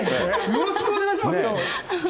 よろしくお願いしますよ。